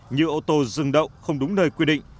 như ô tô dừng đậu không đúng nơi quy định